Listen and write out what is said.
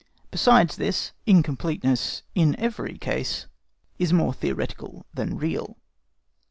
Besides, this incompleteness in every case is more theoretical than real.